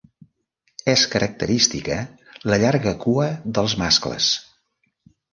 És característica la llarga cua dels mascles.